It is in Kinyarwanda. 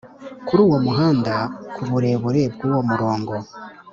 kuri uwo muhanda ku burebure bw'uwo murongo.